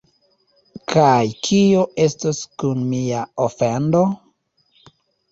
Kaj kio estos kun mia ofendo?